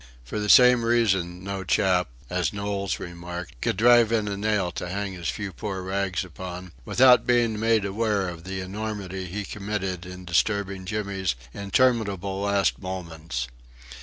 For the same reason no chap as Knowles remarked could "drive in a nail to hang his few poor rags upon," without being made aware of the enormity he committed in disturbing Jimmy's interminable last moments.